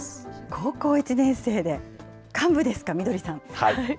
高校１年生で、幹部ですか、翠さん。